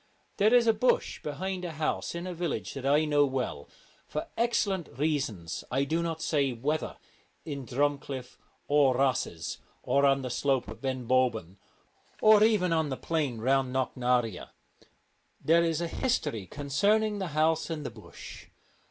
There is a bush behind a house in a village that I know well : for excellent reasons I do not say whether in Drumcliff or Rosses or on the slope of Ben Bulben, or even on the plain round Knocknarea. There is a history concerning the house and the bush.